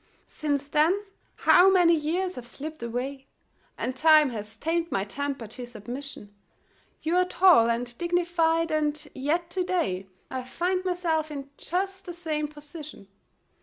Since then how many years have slipped away ? And time has tamed my temper to submission. You're tall and dignified, and yet to day I find myself in just the same position.